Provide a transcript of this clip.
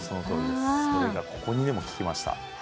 あれがここにもききました。